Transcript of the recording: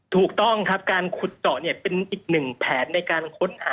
ถูกต้องครับการขุดเจาะเนี่ยเป็นอีกหนึ่งแผนในการค้นหา